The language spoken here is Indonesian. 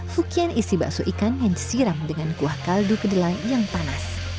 fukien isi bakso ikan yang disiram dengan kuah kaldu kedelai yang panas